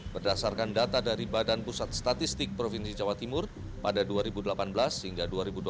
berdasarkan data dari badan pusat statistik provinsi jawa timur pada dua ribu delapan belas hingga dua ribu dua puluh